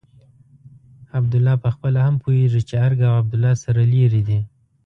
عبدالله پخپله هم پوهېږي چې ارګ او عبدالله سره لرې دي.